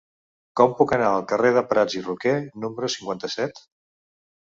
Com puc anar al carrer de Prats i Roquer número cinquanta-set?